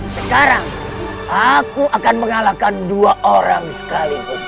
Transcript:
sekarang aku akan mengalahkan dua orang sekalipun